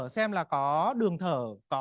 xem là có đường thở có